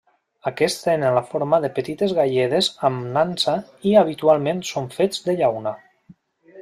Aquests tenen la forma de petites galledes amb nansa i habitualment són fets de llauna.